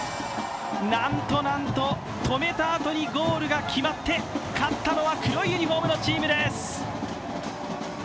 なんとなんと止めたあとにゴールが決まって勝ったのは黒いユニフォームのチームです。